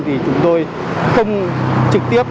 thì chúng tôi không trực tiếp